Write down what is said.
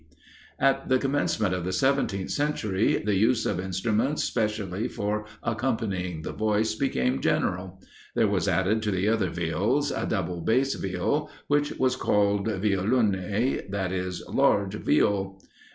At the commencement of the seventeenth century, the use of instruments specially for accompanying the voice became general; there was added to the other Viols a Double Bass Viol, which was called Violone, that is, large Viol.